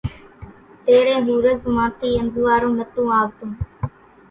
تيرين ۿورز مان ٿي انزوئارون نتون آوتون